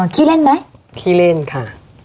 ขี้เล่นไหมขี้เล่นค่ะ